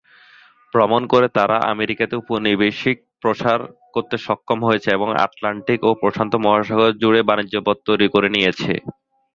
ভ্রমণ করে তারা আমেরিকাতে ঔপনিবেশিক প্রসার করতে সক্ষম হয়েছে এবং আটলান্টিক ও প্রশান্ত মহাসাগর জুড়ে বাণিজ্য পথ তৈরি করে নিয়েছে।